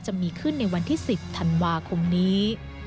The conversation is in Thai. จะมีขึ้นในวันที่๑๐ธันวาคมนี้